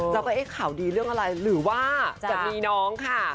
เราก็เอ๊ะข่าวดีเรื่องอะไรหรือว่าจะมีน้องค่ะ